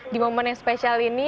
di momen yang spesial ini